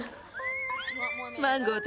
マンゴー